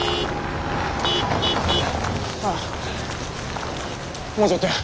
ほらもうちょっとや。